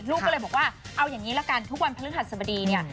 ลูกก็เลยบอกว่าเอาอย่างนี้ละกันทุกวันพฤหัสบดีเนี่ย